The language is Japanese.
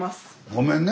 ごめんね